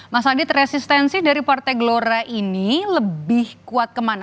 mas adit resistensi dari partai gelora ini lebih kuat kemana